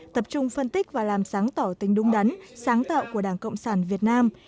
tập trung phân tích và làm sáng tỏ tình đúng đắn sáng tạo của đảng cộng sản việt nam